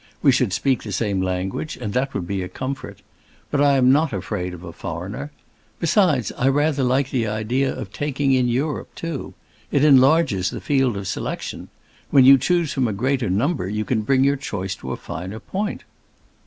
We should speak the same language, and that would be a comfort. But I am not afraid of a foreigner. Besides, I rather like the idea of taking in Europe, too. It enlarges the field of selection. When you choose from a greater number, you can bring your choice to a finer point!"